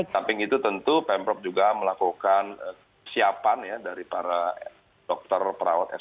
samping itu tentu pemprov juga melakukan siapan dari para dokter perawat fdm kami